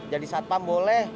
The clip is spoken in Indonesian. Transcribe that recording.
jadi satpam boleh